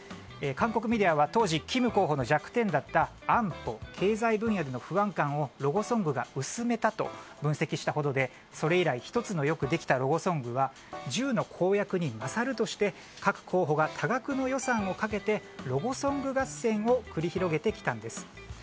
韓国メディアは当時キム候補の弱点だった安保・経済分野での不安感をロゴソングが薄めたと分析したほどでそれ以来、１つのよくできたロゴソングは１０の公約に勝るとして各候補が多額の予算をかけてロゴソング合戦を繰り広げてきたんです。